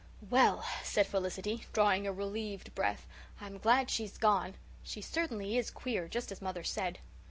"Well," said Felicity, drawing a relieved breath, "I'm glad she's gone. She certainly is queer, just as mother said."